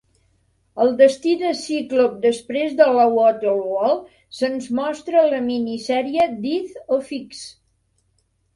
El destí de Cíclop després de Battleworld se'ns mostra a la minisèrie "Death of X".